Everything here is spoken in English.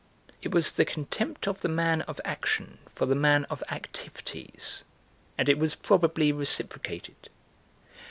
It was the contempt of the man of action for the man of activities, and it was probably reciprocated.